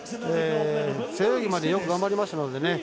背泳ぎまでよく頑張りましたのでね。